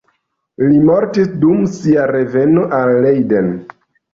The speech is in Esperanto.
Li mortis dum sia reveno al Leiden.